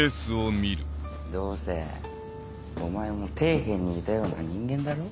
どうせお前も底辺にいたような人間だろ？